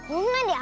あ